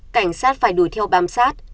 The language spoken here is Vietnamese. cảnh sát phải đuổi theo bám sát